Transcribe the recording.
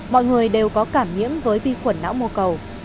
mọi người đều có cảm nhiễm với vi khuẩn não mô cầu